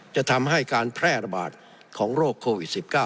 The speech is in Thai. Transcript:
จะทำให้การแพร่ระบาดของโรคโควิด๑๙